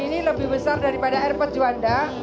ini lebih besar daripada airport juanda